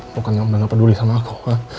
bukannya om udah gak peduli sama aku